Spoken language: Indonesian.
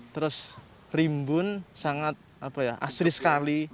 terus perimbun sangat asli sekali